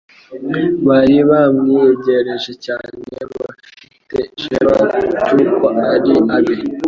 Bari bamwiyegereje cyane, bafite ishema ty'uko ari abe.